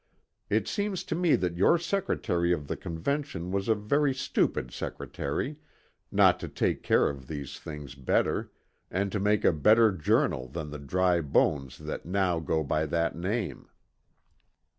It seems to me that your secretary of the convention was a very stupid secretary, not to take care of these things better, and to make a better Journal than the dry bones that now go by that name."